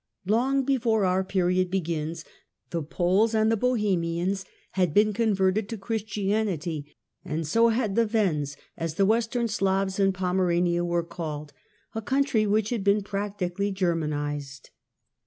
Long before our period begins, the Poles and Bohemians had been converted to Christianity and so had the Wends, as the Western Slavs in Pomerania were called, a country which had been practically Germanised.